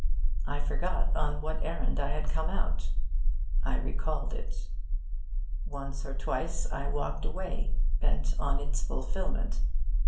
I forgot on what errand I had come out. I recalled it. Once or twice I walked away, bent on its fulfilment.